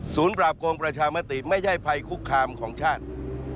ปราบโกงประชามติไม่ใช่ภัยคุกคามของชาติ